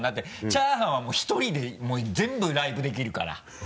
チャーハンはもう１人で全部ライブできるから。